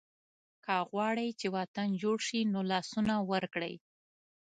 که غواړئ چې وطن جوړ شي نو لاسونه ورکړئ.